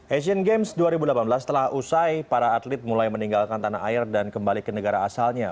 asian games dua ribu delapan belas telah usai para atlet mulai meninggalkan tanah air dan kembali ke negara asalnya